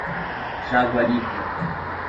Jaguaripe